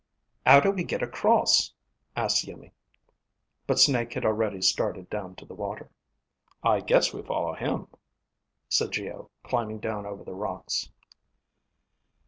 "How do we get across?" asked Iimmi. But Snake had already started down to the water. "I guess we follow him," said Geo, climbing down over the rocks.